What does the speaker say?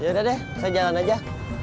ya udah deh saya jalan aja